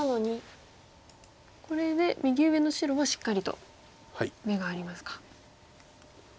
これで右上の白はしっかりと眼がありますか。